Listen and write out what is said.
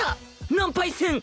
ナンパイセン！